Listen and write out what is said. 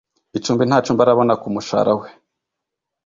icumbi nta cumbi arabona kumushara we